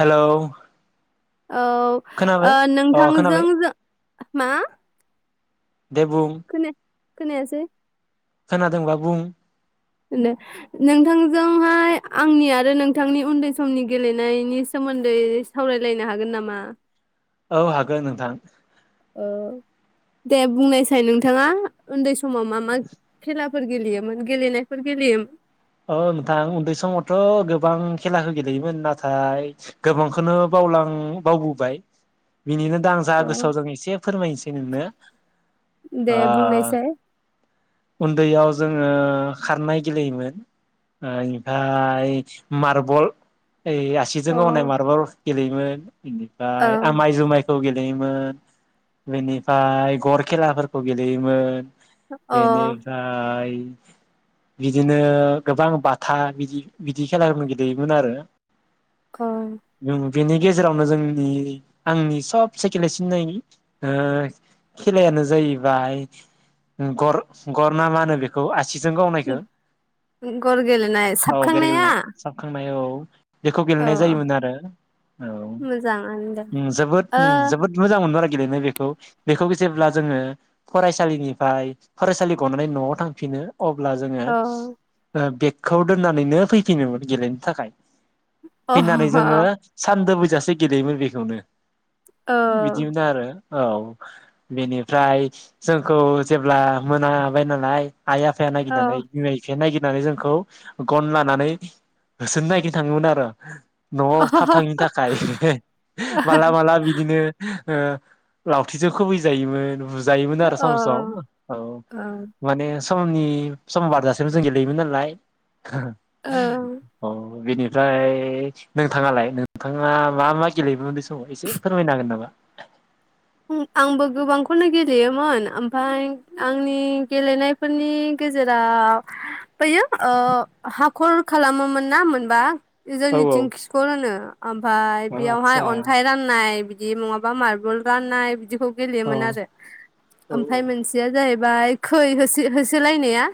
हेल' औ ओ खोनाबाय नोंथांजों जों मा? दे बुं खोना खोनायासै खोनादोंबा बुं? [unintelligible] नोंथांजोंहाय आंनि आरो नोंथांनि उन्दै समनि गेलेनायनि सोमोन्दै सावरायलायनो हागोन नामा? औ हागोन नोंथां। ओ दे बुंनायसै नोंथाङा उन्दै सम समाव मा मा खेला फोर गेलेयोमोन गेलेनायफोर गेलेयोमोन। औ नोंथां उन्दै समावथ' गोबां खेलाखो गेलेयोमोन नाथाय गोबांखौनो बावलां बावबोबाय बिनिनो दा आं जा गोसोआव जों एसे फोरमायनोसै नोंनो दे ओ बुंनायसाय उन्दैयाव जोङो खारनाय गेलेयोमोन ओ इनिफ्राय मार्बल ए आसिजों अ गावनाय मार्बल गेलेयोमोन इनिफ्राय आमाय-जुमायखौ गे लेयोमोन बेनिफ्राय गर खेलाफोरखौ गेलेयोमोन। ओ बेेनिफ्राय बिदिनो गोबां बाथा बिदि बिदि खेलाफोर गेलेयोमोन आरो अ बेनि गेजेरावनो जोंनि आंनि सबसे गेलेसिननायनि ओ खेलायानो जाहैबाय ओं गर गरना मा होनो बेखौ आ सिजों गावनायखौ ओं गर गेलेनाय साबखांनाया? नाय औ बेखौ अ गेलेनाय जायोमोन आरो औ मोजाङानो दे ओं जोबोद ओं जोबोद मोजां मोनमारो गेलेनाय बेखौ बेखौ जेब्ला जोङो फरायसालिनिफ्राय फरायसालि गनानै न'आव थांफिनो अब्ला जोङो ओ ओ बेगखौ दोननानैनो फैफिनोमोन गेलेनो थाखाय अ फैनानै जोङो अ सानदोबै जासे गेलेयोमोन बेखौनो। अ बिदिमोन आरो औ बेनिफ्राय जोंखौ जेब्ला मोनाबाय नालाय आइ आफाया औ नागिरनानै [unintelligible] या नायगिरनानै जोंखौ गन लानानै होसोनो नागिरनो थाङोमोन आरो। न'आव थाब थाङिनि थाखाय माला माला बिदिनो ओ लावथिजों खुबै जायोमोन बु जायोमोन औ आरो सम सम औ माने समनि सम बारजासे जों गेलेयोमोन नालाय औ बेनिफ्राय नोंथाङालाय नोंथाङा मा मा गेलेयोमोन उन्दै समाव एसे फोरमायनो होगोन नामा? आंबो गोबांखौनो गेलेयो मोन ओमफाय आंनि गेलेनायफोरनि गेजेराव बैयो ओ हाखर खालामोमोन ना मोनबा औ औ जोंनिथिं खिखर होनो, ओमफाय औ बेयावहाय आतसा अन्थाइ राननाय बि दि नङाबा मार्बल रान्नाय बिदिखौ औ गेलेयोमोन आरो औ ओमफाय मोनसेया जाहै बाय खै होसो होसोलायनाया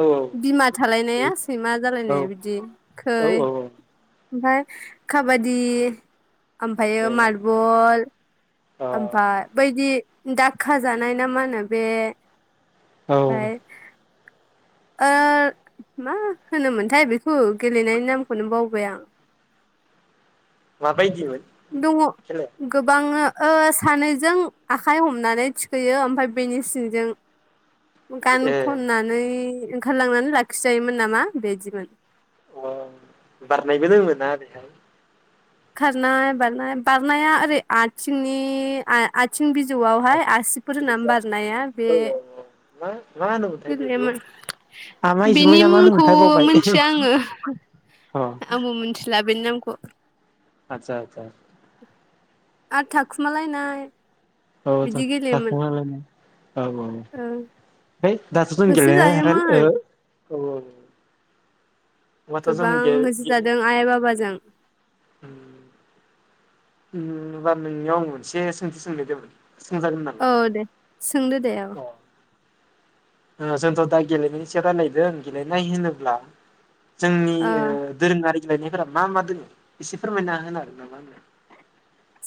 औ बिमा थालायनाया सैमा औ जालायनाया बिदि खै औ औ औ ओमफ्राय काबादि ओमफ्रायो ए मार्बल अ ओमफ्राय बैदि दाखा जानाय ना मा होनो बे औ आमफ्राय ओ मा होनोमोनथाय बेखौ गेलेनायनि नामखौनो बावबाय आं। माबायदिमोन दं खेलाया गोबांनो ओ सानैजों आखाइ हमनानै थिखोयो ओमफ्राय बेनि सिंजों गान ए खननानै ओंखारलांनानै लाखिजायोमोन नामा बिदिमोन। अ बारनायबो दोंमोन ना बेहाय? खारनाय, बारनाय, बारनाया ओरै आथिंनि आय आथिं बिजौआवहाय आसिफोर होनानै बारनाया बे औ औ मा मा होनोमोनथाय बेखौ गेलेयोमोन। आमाय जुमाय बेनि ना मा मुंखौ होनोमोनथाय बावबाय मिथिया आंङो अ आंबो मिथिला बेनि नामखौ। [unintelligible] आतसा आतसा। आरो थाखुमालायनाय अह आदसा बिदि आदसा गेलेयोमोन थाखुमालायनाय ओ होसो जायोमोन [unintelligible] औ औ ओं। गोबां होसोजादों आइ बाबाजों। होमबा नोंनियाव आं मोनसे सोंथि सोंनो नागिरदोंमोन, औ दे सोंदो दे औ। ओ जोंथ' दा गेलेनायनि सायाव रायलायदों गेलेनाय होनोब्ला जोंनि ओ दोरोङारि गेलेनायफोरा मा मा दोङो एसे फोरमायना होनो हागोन नामा आंनो?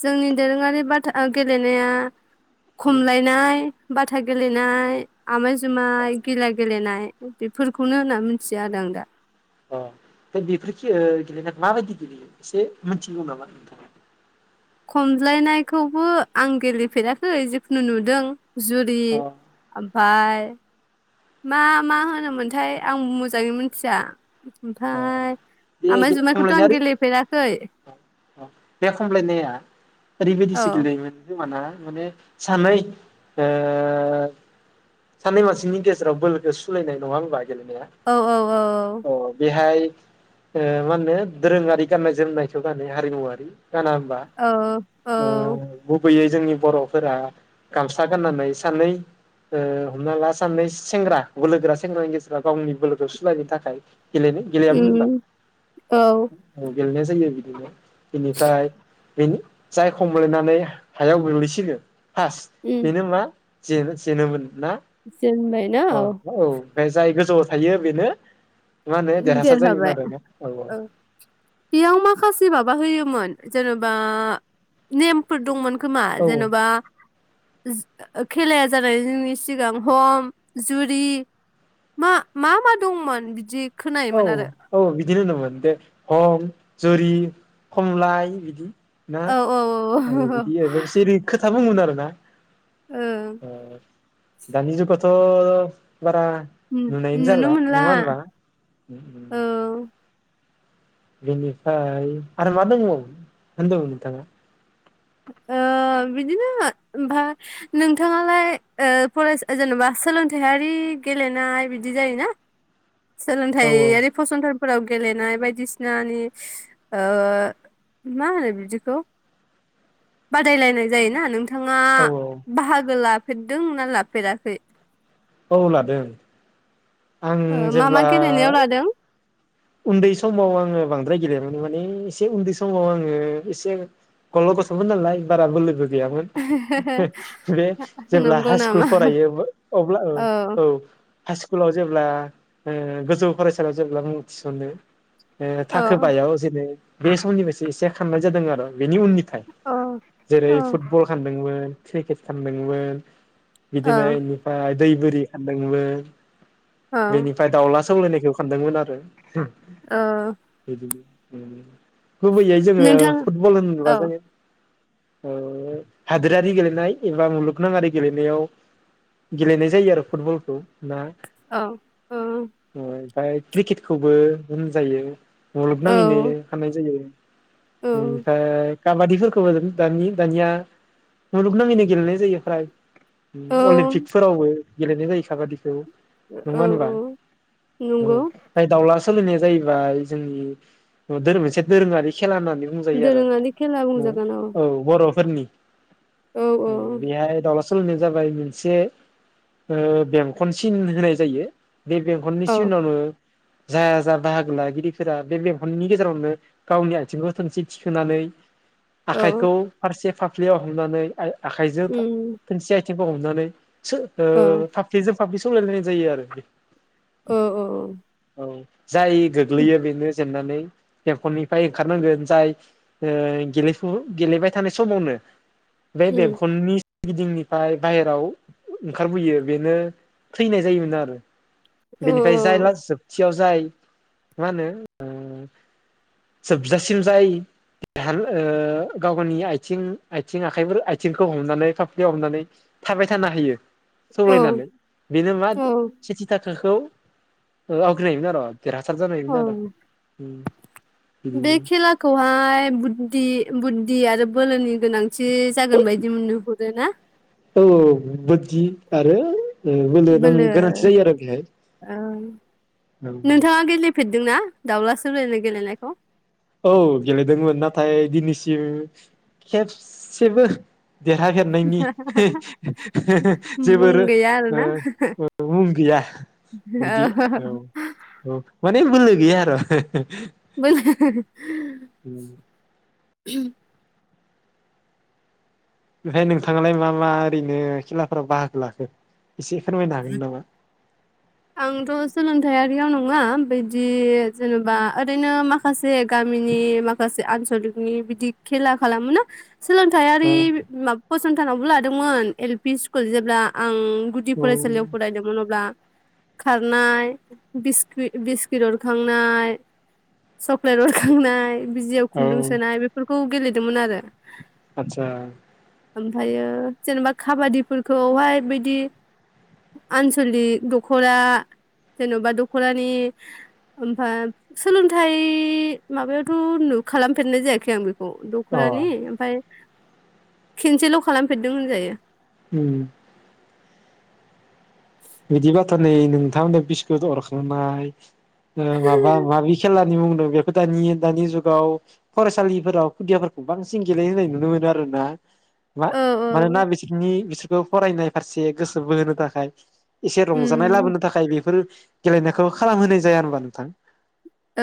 जोंनि दोरोङारि बाथा गेलेनाया खमलायनाय बाथा गेलेनाय आमाय-जुमाय गिला गेलेनाय। बेफोरखौनो होनना मिथियो आरो आं दा। अ दा बेफोरखो ओ गेलेनायखौ माबायदि गेलेयो एसे मिथिगौ नामा नोंथाङा? खमज्लाय नाय खौबो आं गेलेफेराखै जिखुनु नुदों। जुरि ओम बार मा मा होनोमोन थाय आं मोजाङै मिथिया। ओमफाय बे आमाइ गे जुमाइखौथ' खमलायनाय आं आरो गेलेफेराखै। बे कमलायनाया ओरैबायदि औ गेलेयोमोन खोमाना माने सानै ओ सानै मानसिनि गेजेराव बोलोखौ सुलायनाय नङा होनबा? गेलेनाया औ औ औ अ बेहाय ओ मा होनो दोरोङारि गाननाय जोमनायखौ हारिमुवारि गाना होमबा औ औ ओ गुबैयै जोंनि बर'फोरा गामसा गाननानै सानै ओ हमना ला सानै सेंग्रा बोलो गोरा सेंग्रानि गेजेराव गावनि बोलो सुलायनो थाखाय गेलेनो गेलेयामोन होनबा? उम औ गेलेनाय जोंनि [unintelligible] बिनिफ्राय बेनि जाय खमलायनानै हायाव गोग्लैसिगोन फास बेनो मा जेनो जेनोमोन। ना जेनबायना औ। ओमफ्राय जाय गोजौआव थायो बेनो मा होनो देरहासार जायोमोन देरहाबाय आरोना औ बेयाव माखासे माबा होयोमोन जेन'बा नेमफोर दंमोन। खोमा औ जेन'बा [unintelligible] खेलाया जानायनि सिगां हम जुरि मा मा मा दंमोन बिदि औ खोनायोमोन आरो औ बिदिनो होनोमोन हम जुरि खमलाय बिदि ना औ औ औ ओ ओं बिदि मोनसे खोथा बुङोमोन आरो। ब्ला ओ। दानि जुगावथ' बारा नुनायनो नुनो जाला मोनला नङा होनबा। उम। औ बिनिफाय आरो मा दंबावो होनदोमोन नोंथाङा? ओ बिदिनो ओमफ्राय नोंथाङालाय ओ फरायसा जेन'बा सोलोंथायारि गेलेनाय बिदि जायोना। औ सोलोंथायारि फसंथान फोराव गेलेनाय बायदिसिनानि ओ मा होनो बिदिखौ? बादायलायनाय जायो ना नों थाङा औ बाहागो ला लाफेरदों ना लाफेराखै? औ लादों। आं ओ मा मा जेब्ला गेलेनायाव लादों उन्दै समाव आङो बांद्राय गेलेयामोन माने एसे उन्दै समाव आङो एसे गल' गथ'मोन नालाय बारा बोलो बो गैयामोन बे जेब्ला नंगौ हाइ स्कुल नामा फरायो अब्ला औ औ हाइ सकुलाव जेब्ला ओ गोजौ फरायसालियाव जेब्ला मुं थिसनो ओ औ थाखो बा याव जेनो बे समनिफ्रायसो एसे खारनाय जादों आरो बेनि उननि औ जेरै औ फुटबल खारदोंमोन क्रिकेट खानदोंमोन बिदिनो औ इनिफाइ दै बोरि खानदोंमोन औ बेनिफ्राय दाउला सौलायनायखौ खान्दोंमोन आरो। [unintelligible] औ बिदिनो उम। गुबैयै जोङो नोंथां फुटबल होनोबा औ जोङो ओ हादोरारि गेलेनाय एबा मुलुगनाङारि गेलेनायाव गेलेनाय जायो आरो फुटबलखौ। ना औ औ बेवाय। फाइ क्रिकेट खौबो होनजायो मुलुगनाङैनो औ खाननाय जायो । औ इनिफ्राय खाबादिफोरखौबो दानि-दानिया मुलुगनाङैनो गेलेनाय जायोफ्राय औ अलिम्पिकफोरावबो गेलेनाय जायो काबादिखौ नङा होनबा औ-औ औ नंगौ। ओमफ्राय दाउला सलिनाय जायोबा जोंनि दोरो मोनसे दोरोङारि खेला होन्नानै बुंजायो आरो दोरोङारि खेला ओ बुंजागोन औ बर फोरनि औ अ बिहाय दाउला सौलायनाय जाबाय मोनसे ओ बेंखनसिन होनाय जायो। बे बेंखननि औ सिननावनो जा-जा बाहागो लागिरिफोरा बे बेंफननि गेजेरावनो गावनि आथिंखौ थोंसि थिखोनानै औ आखाइखौ फारसे फा फ्लिआव हमनानै आ खाइजों उम थोंसे आइ थिंखौ हमनानै औ फाफ्लिजों फाफ्लि सौलायलायनाय जायो आरो बे। ओ-ओ-औ औ जाय गोग्लैयो बेनो जेनना नै बेंखननिफाय ओंखारनांगोन जाय ओ गेलेफु गेलेबाय थानाय समावनो। बे उम बेेंखननि गिदिंनिफ्राय बाहेराव ओंखारबोयो बेनो थैनाय जायोमोन आरो। औ बेनिफ्राय जाय लास जोब [unintelligible] जाय मा होनो ओ जोबजासिम जाय हान ओ गाव-गावनि आथिं-आथिं आखाइफोर आथिंखौ हमनानै फाफ्लियाव हमनानै थाबाय थानो हायो। औ औ सौलायनानै बेनो मा औ सेथि थाख खौ ओ आवग्रिनो हायोमोन आरो। देरहासार औ जानोहायोमोन आरो उम। बे खेलाखौहाय बुद्धि बुद्धि आरो बोलोनि गोनांथि जागोन बायदि मोनुहरो ना औ बोदि आरो बोलोनां बोलो गोनांथि जायो आरो बेहाय औ फेरदों ना दाउला सौलायनाय गेलेनायखौ औ गेलेदोंमोन नाथाय दिनैसिम खेबसेबो देरहाफेरनायनि [unintelligible] मुं जोबोर गैया आरोना मुं गैया बिदि औ औ-औ मोन बे बोलोगैया आरो। [unintelligible] [unintelligible] [unintelligible] ओमफ्राय नोंथाङालाय मा मा ओरैनो खेलाफोराव बाहागो लाखो? एसे फोरमायनो हागोन नामा? आंथ' सोलोंथायाइारियाव नङा बिदि जेनेबा ओरैनो माखासे गामिनि माखासे आनसलिकनि बिदि खेला खालामो ना औ सोलोंथाइयारि माबा सनथानावबो लादोंमोन एल पि स्कुल जेब्ला आं गुदि औ फरायसालियाव फरायदोंमोन अब्ला खारनाय बिस्किट बिस्किट अरखांनाय चक्लेट अरखांनाय। बिजियाव औ खुन्दुं सोनाय बेफोरखौ गेले बिदि मोन आरो आतसा। ओमफ्रायो जेनेबा काबादिफोरखौहाय बिदि आनसलिक दख'रा जेन'बा दख'रानि ओमफ्राय सोलोंथाइ माबायावथ' नु खालामफेरनाय जायाखै आं बेखौ। औ अ दखुरानि ओमफ्राय खेनसेल' खालामफेरदों होनजायो। ओम। बिदिबाथ्रानि नोंथांमोननि बिस्कुट अरखांनाय माबा माबि खेला बुंदों बेखौ दा नुयो दानि जुगाव फरायसालिफोराव खुदियाफोरखौ बांसिन गेलेहोनाय नुनो मोनो आरोना। मा औ मानोना औ बिसिनि बेखौ फरायनाय फारसे गोसो बोहोनो थाखाय एसे उम रंजानाय लाबोनो थाखाय बेफोरो गेलेनायखौ खालामहोनाय जाया आरोना नोंथां।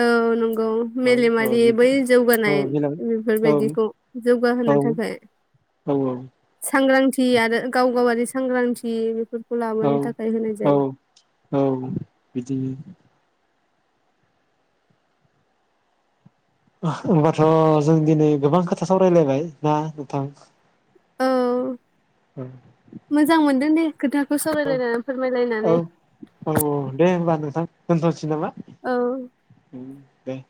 औ नंगौ औ औ मेलेमारि बै बिदि औ जौगानाय बेनाव औ बेफोरबायदिखौ जौगाहोनो औ थाखाय औ सांग्रांथि जियानो गाव गावारि सांग्रांथि बेफोर औ औ औ बिदिनो। होमबाथ' जों दिनै गोबां खोथा सावरायलायबाय ना नोंथां? औ। औ मोजां मोनदों दे खोथाखौ सावरायलायनानै फोरमायलायनानै। थां दोसनथ'सै नामा? औ ओम दे।